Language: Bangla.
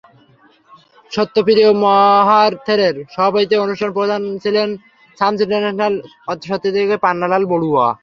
সত্যপ্রিয় মহাথেরের সভাপতিত্বে অনুষ্ঠানে প্রধান অতিথি ছিলেন শামস ইন্টারন্যাশনালের স্বত্বাধিকারী পান্না লাল বড়ুয়া।